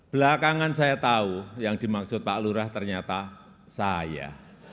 belakangan saya tahu yang dimaksud pak lurah ternyata saya